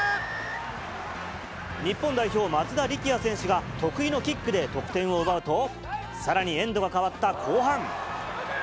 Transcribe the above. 日本代表、松田力也選手が、得意のキックで得点を奪うと、さらにエンドが変わった後半。